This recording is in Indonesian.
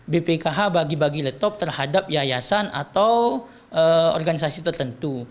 bpkh bagi bagi latop terhadap yayasan atau organisasi tertentu